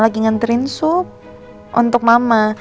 lagi nganterin sup untuk mama